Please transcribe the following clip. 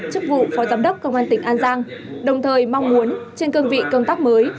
chức vụ phó giám đốc công an tỉnh an giang đồng thời mong muốn trên cương vị công tác mới